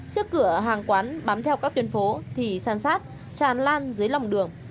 trước cửa hàng quán bám theo các tuyên phố thì san sát tràn lan dưới lòng đường